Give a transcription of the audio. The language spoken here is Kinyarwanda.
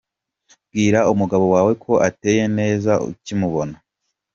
Bwira umugabo wawe ko ateye neza ukimubona.